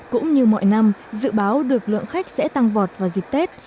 cũng như mọi năm dự báo được lượng khách sẽ tăng vọt vào dịp tết